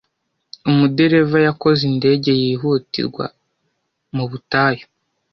Umudereva yakoze indege yihutirwa mu butayu.